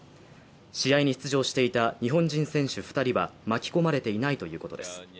試合に出場していた日本人選手２人は巻き込まれていないということです。